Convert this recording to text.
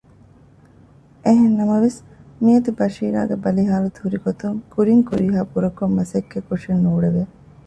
އެހެންނަމަވެސް މިއަދު ބަޝީރާގެ ބަލިހާލަތު ހުރިގޮތުން ކުރިން ކުރިހާ ބުރަކޮން މަސައްކަތް ކޮށެއް ނޫޅެވެ